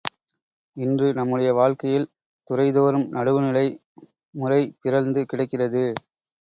இன்று நம்முடைய வாழ்க்கையில் துறைதோறும் நடுவு நிலை, முறை பிறழ்ந்து கிடக்கிறது.